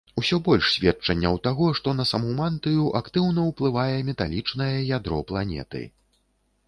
Усё больш сведчанняў таго, што на саму мантыю актыўна ўплывае металічнае ядро планеты.